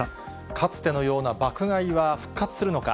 かつてのような爆買いは復活するのか。